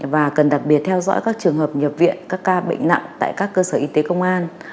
và cần đặc biệt theo dõi các trường hợp nhập viện các ca bệnh nặng tại các cơ sở y tế công an